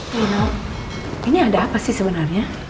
pak nino ini ada apa sih sebenarnya